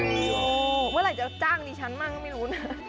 เมื่อไหร่จะจ้างดิฉันบ้างก็ไม่รู้นะ